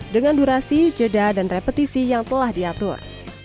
dengan durasi jeda dan repetisi yang telah diatur